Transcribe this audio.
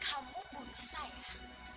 kamu bunuh saya